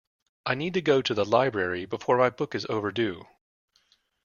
I need to go to the library before my book is overdue.